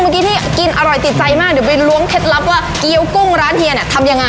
เมื่อกี้ที่กินอร่อยติดใจมากเดี๋ยวไปล้วงเคล็ดลับว่าเกี้ยวกุ้งร้านเฮียเนี่ยทำยังไง